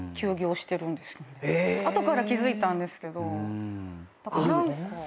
後から気付いたんですけど。